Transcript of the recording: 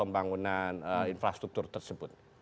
dan itu adalah infrastruktur tersebut